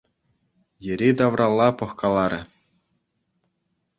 Йӗри-тавралла пӑхкаларӗ.